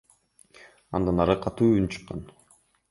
Андан ары катуу үн чыккан.